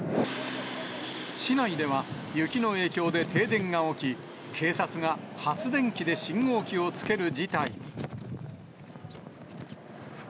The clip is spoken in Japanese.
市内では、雪の影響で停電が起き、警察が発電機で信号機をつける事態に。